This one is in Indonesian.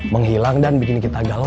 menghilang dan bikin kita galau